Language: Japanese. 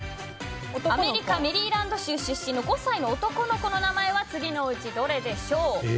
このうち左側にいるアメリカ・メリーランド州出身の５歳の男の子の名前は次のうちどれでしょう。